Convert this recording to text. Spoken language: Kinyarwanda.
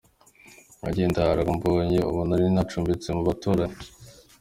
Nagiye ndara aho mbonye, ubu nari ncumbitse mu baturanyi.